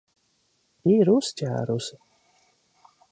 Ir uzķērusi!